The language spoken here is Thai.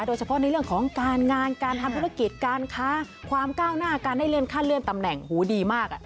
โดยเฉพาะในเรื่องของการงานการทำธุรกิจการค้าความก้าวหน้าการได้เลื่อนขั้นเลื่อนตำแหน่งหูดีมาก